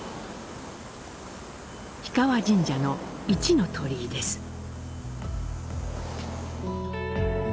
氷川神社の「一の鳥居」です。